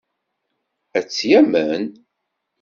Ad tt-yamen?